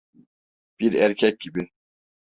Bir erkek gibi…